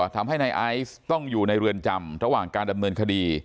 ทำให้นายไอซ์ต้องอยู่ในเรือนจำระหว่างการดำเนินคดี